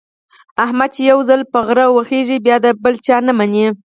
احمد چې یو ځل په غره وخېژي، بیا د بل چا نه مني.